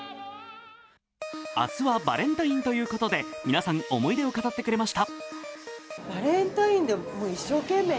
明日はバレンタインということで皆さん思い出を語ってくれました。